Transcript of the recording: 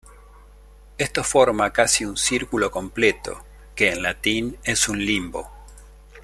Esto forma casi un círculo completo, que en latín es un limbo.